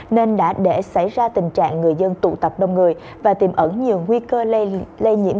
nên đã để xảy ra tình trạng người dân tụ tập đông người và tìm ẩn nhiều nguy cơ lây nhiễm